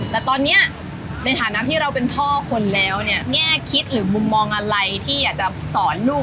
แต่ตอนนี้ในฐานะที่เราเป็นพ่อคนแล้วเนี่ยแง่คิดหรือมุมมองอะไรที่อยากจะสอนลูก